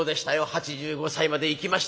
８５歳まで生きました。